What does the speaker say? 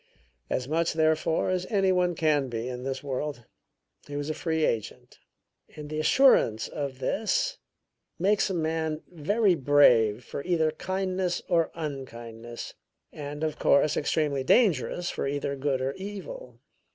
As much, therefore, as any one can be in this world he was a free agent; and the assurance of this makes a man very brave for either kindness or unkindness, and, of course, extremely dangerous for either good or evil.